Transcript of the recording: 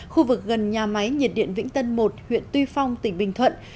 khu vực gần nhà máy nhiệt điện vĩnh tân một huyện tuy phong tỉnh bình thuận